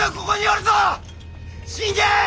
信玄！